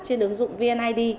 trên ứng dụng vneid